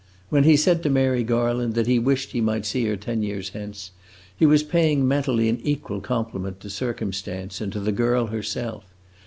When he said to Mary Garland that he wished he might see her ten years hence, he was paying mentally an equal compliment to circumstance and to the girl herself.